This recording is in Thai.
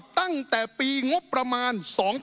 ตั้งแต่ปีงบประมาณ๒๕๖